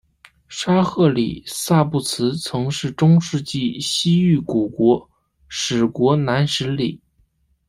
沙赫里萨布兹曾是中世纪西域古国史国南十里。